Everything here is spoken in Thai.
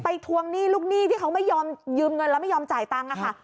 ทวงหนี้ลูกหนี้ที่เขาไม่ยอมยืมเงินแล้วไม่ยอมจ่ายตังค์ค่ะ